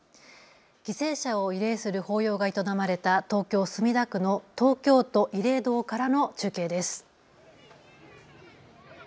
犠牲者を慰霊する法要が営まれた東京墨田区の東京都慰霊堂からの中継です。